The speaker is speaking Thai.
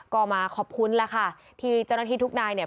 ก็มาขอบคุณแล้วค่ะที่เจ้าหน้าที่ทุกนายเนี่ย